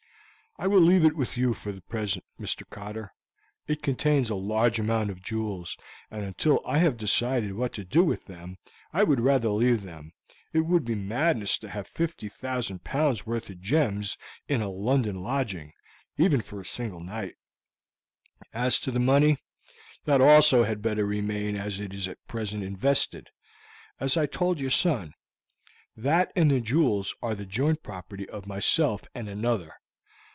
"I will leave it with you for the present, Mr. Cotter; it contains a large amount of jewels, and until I have decided what to do with them I would rather leave them; it would be madness to have 50,000 pounds worth of gems in a London lodging, even for a single night. As to the money, that also had better remain as it is at present invested. As I told your son that and the jewels are the joint property of myself and another.